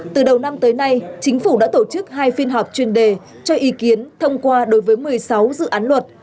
từ đầu năm tới nay chính phủ đã tổ chức hai phiên họp chuyên đề cho ý kiến thông qua đối với một mươi sáu dự án luật